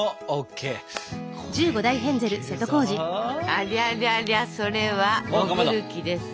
ありゃりゃりゃそれは潜る気ですね。